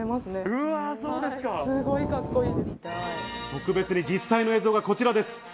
特別に実際の映像がこちらです。